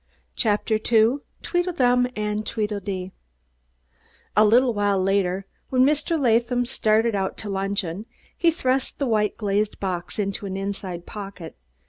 CHAPTER II TWEEDLEDUM AND TWEEDLEDEE A little while later, when Mr. Latham started out to luncheon, he thrust the white glazed box into an inside pocket.